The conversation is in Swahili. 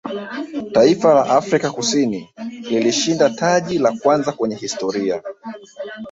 taifa la afrika Kusini lilishinda taji la kwanza kwenye historia